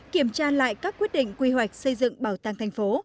kiểm tra lại các quyết định quy hoạch xây dựng bảo tàng thành phố